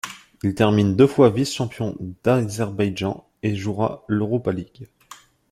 Il termine deux fois vice-champion d'Azerbaïdjan et jouera l'Europa League.